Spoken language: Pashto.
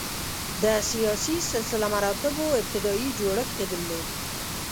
د سیاسي سلسله مراتبو ابتدايي جوړښت یې درلود.